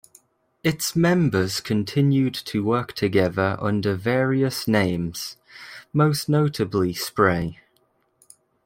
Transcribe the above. Its members continued to work together under various names, most notably Spray.